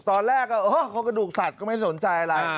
ตอนแรกอะไรโคลกกระดูกสัตว์ก็ไม่สนใจอะไร